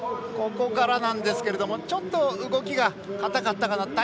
ここからなんですけれどもちょっと、動きが硬かったかな。